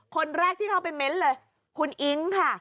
คนแรกที่เข้าไปเม้นต์เลยคุณอิ๊งค่ะ